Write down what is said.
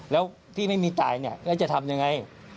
แล้วพี่ไม่มีตายเนี่ยแล้วจะทำยังไง